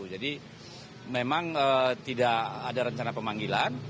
jadi memang tidak ada rencana pemanggilan